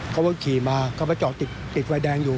เขาก็ขี่มาเขาไปเจาะติดวายแดงอยู่